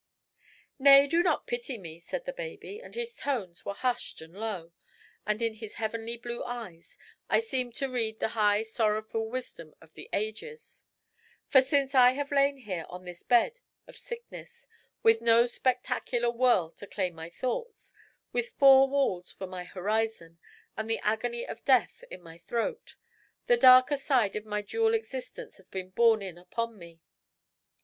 "Nay, do not pity me," said the baby, and his tones were hushed and low, and in his heavenly blue eyes I seemed to read the high sorrowful wisdom of the ages; "for, since I have lain here on this bed of sickness with no spectacular whirl to claim my thoughts, with four walls for my horizon, and the agony of death in my throat, the darker side of my dual existence has been borne in upon me.